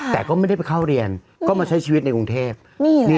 แต่ก็ไม่ได้ไปเข้าเรียนก็มาใช้ชีวิตในกรุงเทพฯนี่แหละค่ะ